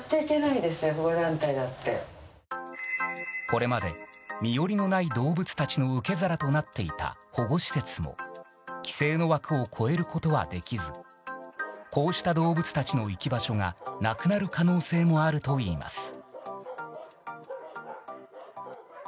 これまで身寄りのない動物たちの受け皿となっていた保護施設も規制の枠を超えることはできずこうした動物たちの行き場所がなくなる可能性もあるといいます。